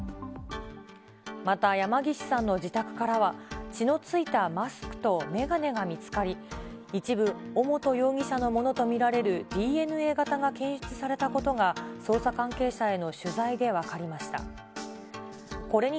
また山岸さんの自宅からは、血のついたマスクと眼鏡が見つかり、一部、尾本容疑者のものと見られるＤＮＡ型が検出されたことが、捜査関係者への取材で分かりました。